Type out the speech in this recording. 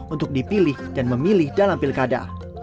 untuk dipilih dan memilih dalam pilkada